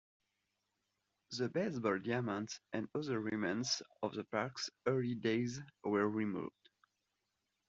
The baseball diamond and other remnants of the park's early days were removed.